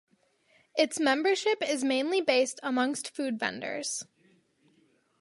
Its membership is mainly based amongst food vendors.